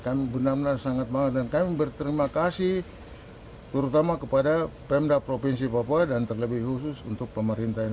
kami benar benar sangat bangga dan kami berterima kasih terutama kepada pemda provinsi papua dan terlebih khusus untuk pemerintah